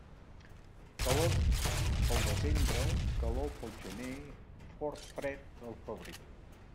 Calor pel desembre, calor pel gener, fort fred al febrer.